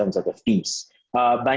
adalah dengan kecepatan dan harga